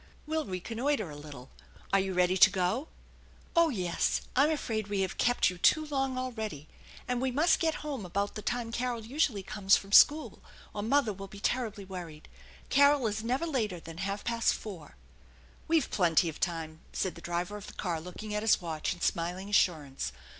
We'll reconnoitre a ttttle. Are you ready to go ?"" Oh, yes. I'm afraid we have kept you too long already, and we must get home about the time Carol usually comes from school, or mother will be terribly worried. Carol is never later than half past four." " We've plenty of time," said the driver of the car, looking at his watch and smiling assurance.